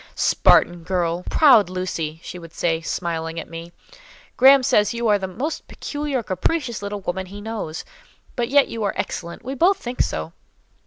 "Spartan girl! Proud Lucy!" she would say, smiling at me. "Graham says you are the most peculiar, capricious little woman he knows; but yet you are excellent; we both think so."